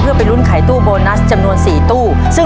เพื่อไปลุ้นไขตู้โบนัสจำนวน๔ตู้